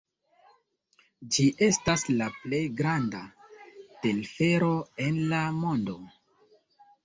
Ĝi estas la plej granda telfero en la mondo.